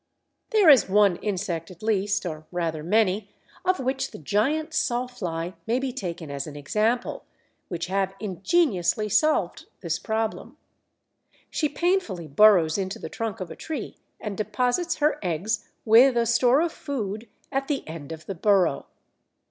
There is one insect at least, or rather many, of which the Giant Sawfly may be taken as an example, which have ingeniously solved this problem. She painfully burrows into the trunk of a tree and deposits her eggs with a store of food at the end of the burrow.